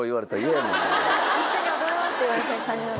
「一緒に踊ろう」って言われてる感じなのかな。